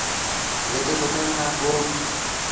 جيڪي سُڪڻ کآݩ پو۔